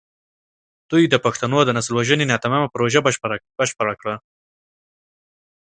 دوی د پښتنو د نسل وژنې ناتمامه پروژه بشپړه کړه.